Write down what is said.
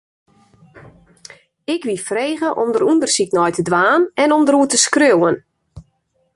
Ik wie frege om dêr ûndersyk nei te dwaan en om dêroer te skriuwen.